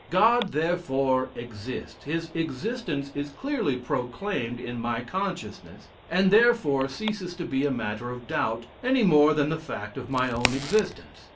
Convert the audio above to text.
God therefore exists: his existence is clearly proclaimed in my consciousness, and therefore ceases to be a matter of doubt any more than the fact of my own existence.